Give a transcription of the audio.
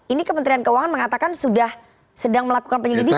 ini kementerian keuangan mengatakan sudah sedang melakukan penyelidikan